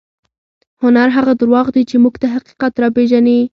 هنر هغه درواغ دي چې موږ ته حقیقت راپېژني.